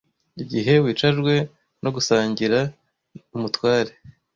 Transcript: Igihe wicajwe no gusangira n umutware